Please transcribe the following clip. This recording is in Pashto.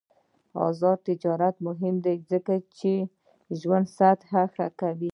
آزاد تجارت مهم دی ځکه چې ژوند سطح ښه کوي.